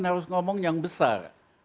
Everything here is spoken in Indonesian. harus ngomong yang besar